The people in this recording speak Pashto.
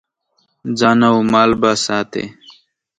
ځان او مال به ساتې.